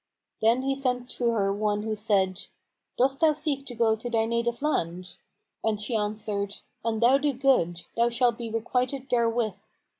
Then he sent to her one who said, "Dost thou seek to go to thy native land?" And she answered, "An thou do good, thou shalt be requited therewith."